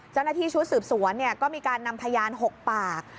เจ้าหน้าที่ชุดสืบสวนก็มีการนำพยาน๖ปาก